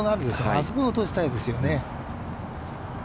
あそこに落としたいですよね。